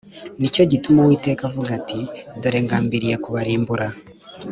Ni cyo gituma Uwiteka avuga ati “Dore ngambiriye kubarimbura”